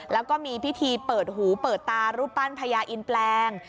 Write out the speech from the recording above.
แล้วก็มีพิธีเปิดหูเปิดตารูปปั้นพญาอินแปลง